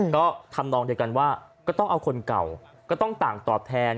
ก็ทำนองเดียวกันว่าก็ต้องเอาคนเก่าก็ต้องต่างตอบแทน